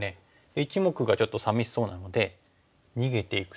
１目がちょっとさみしそうなので逃げていくとどうですか？